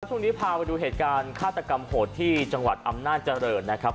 ช่วงนี้พาไปดูเหตุการณ์ฆาตกรรมโหดที่จังหวัดอำนาจเจริญนะครับ